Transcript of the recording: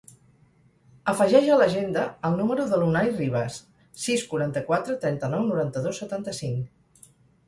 Afegeix a l'agenda el número de l'Unay Ribas: sis, quaranta-quatre, trenta-nou, noranta-dos, setanta-cinc.